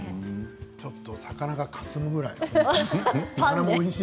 ちょっとお魚がかすむぐらい。